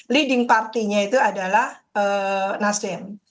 leading partinya itu adalah nasdem